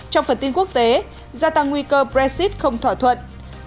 trong phần tin quốc tế gia tăng nguy cơ brexit không thỏa thuận